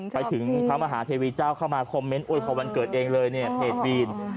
ไปถึงพระมหาเทวีเจ้าเข้ามาคอมเมนต์พระมหาเทวีเจ้าเองเลยเนี่ย